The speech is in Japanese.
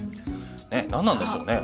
ねっ何なんでしょうね。